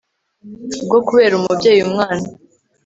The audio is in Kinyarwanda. bwo kubera umubyeyi umwana